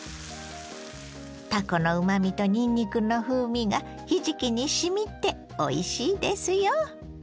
たこのうまみとにんにくの風味がひじきにしみておいしいですよ。